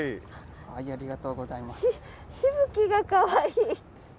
しぶきがかわいい。